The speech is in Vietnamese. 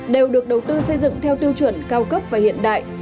đều được đầu tư xây dựng theo tiêu chuẩn cao cấp và hiện đại